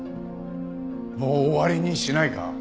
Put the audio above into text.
もう終わりにしないか？